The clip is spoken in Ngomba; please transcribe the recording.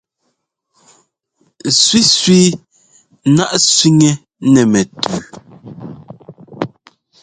Sẅísẅí náʼ sẅiŋɛ́ nɛ́ mɛtʉʉ.